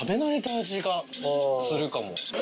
がするかも。